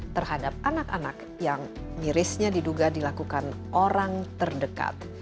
terhadap anak anak yang mirisnya diduga dilakukan orang terdekat